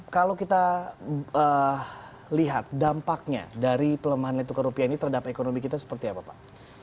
kalau kita lihat dampaknya dari pelemahan nilai tukar rupiah ini terhadap ekonomi kita seperti apa pak